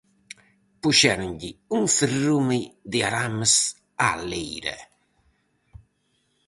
Puxéronlle un cerrume de arames á leira.